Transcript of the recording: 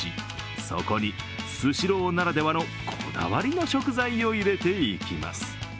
そこにスシローならではのこだわりの食材を入れていきます。